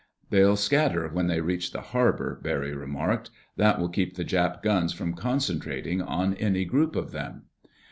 "They'll scatter when they reach the harbor," Barry remarked. "That will keep the Jap guns from concentrating on any group of them."